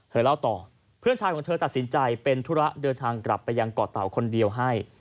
เล่าต่อเพื่อนชายของเธอตัดสินใจเป็นธุระเดินทางกลับไปยังเกาะเต่าคนเดียวให้